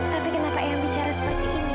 tapi kenapa ayam bicara seperti ini